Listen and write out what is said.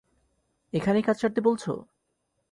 এখানেই কাজ সারতে বলছো?